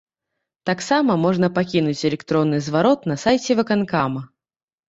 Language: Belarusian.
Таксама можна пакінуць электронны зварот на сайце выканкама.